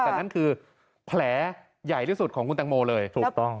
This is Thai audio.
แต่นั่นคือแผลใหญ่ที่สุดของคุณตังโมเลยถูกต้อง